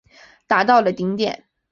达到了顶点。